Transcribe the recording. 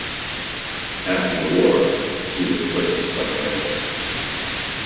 After the war, she was purchased by France.